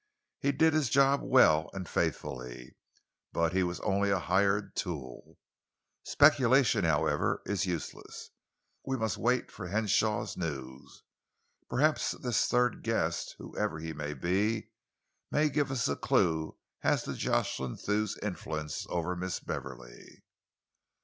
He did his job well and faithfully, but he was only a hired tool. Speculation, however, is useless. We must wait for Henshaw's news. Perhaps this third guest, whoever he may be, may give us a clue as to Jocelyn Thew's influence over Miss Beverley."